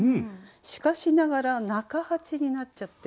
しかしながら中八になっちゃってるんですね。